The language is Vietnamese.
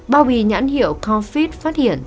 bao bì nhãn hiệu corfit phát hiện